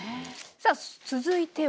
さあ続いては。